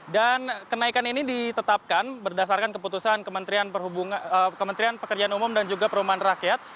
dan kenaikan ini ditetapkan berdasarkan keputusan kementerian pekerjaan umum dan juga perumahan rakyat